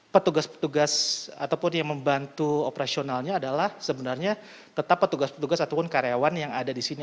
petugas petugas ataupun yang membantu operasionalnya adalah sebenarnya tetap petugas petugas ataupun karyawan yang ada di sini